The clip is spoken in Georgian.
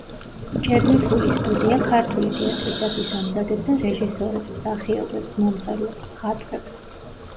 მჭედლიშვილის სტუდია ქართული თეატრისათვის ამზადებდა რეჟისორებს, მსახიობებს, მომღერლებს, მხატვრებს.